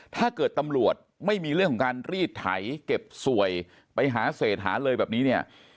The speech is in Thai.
ถ้าเกิดตำรวจไม่มีเรื่องของการรีดไถเก็บสวยไปหาเศษหาเลยแบบนี้เนี่ย